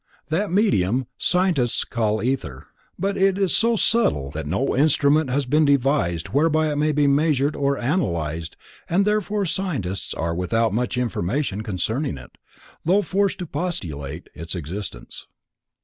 That medium scientists call ether, but it is so subtile that no instrument has been devised whereby it may be measured or analyzed and therefore the scientists are without much information concerning it, though forced to postulate its existence.